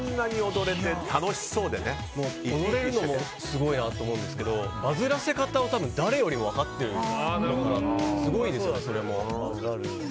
踊れるものすごいなと思うんですけどバズらせ方を誰よりも分かってるのがすごいですよね、それも。